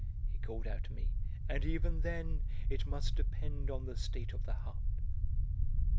he called out to me, "and even then it must depend on the state of the heart."